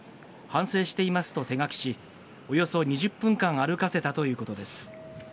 反省していますと手書きし、およそ２０分間歩かせたということです。